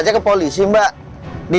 dengan spirta inasi tanpa unyility